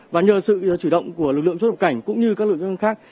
và nhờ sự chủ động của lực lượng chức năng cảnh cũng như các lực lượng chức năng khác